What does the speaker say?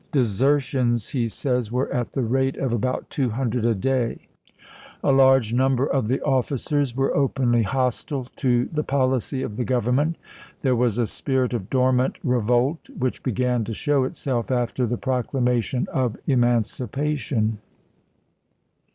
" Desertions," he says, " were at the rate of about two hundred a day." A CHANCELLORSVILLE 89 large number of the officers were openly hostile to chap. iv. the policy of the Government; there was a spirit of dormant revolt which began to show itself after the Proclamation of Emancipation.